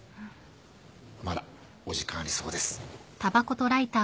まだお時間ありそうです。